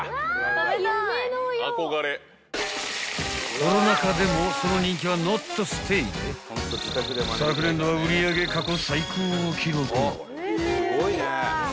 ［コロナ禍でもその人気はノットステイで昨年度は売り上げ過去最高を記録］